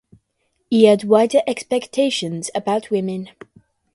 He had wider expectations about women.